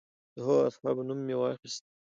د هغو اصحابو نوم مې واخیست.